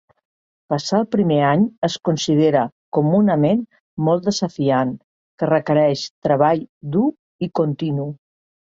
Passar el primer any es considera comunament molt desafiant, que requereix treball dur i continu.